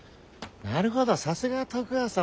なるほどさすがは徳川様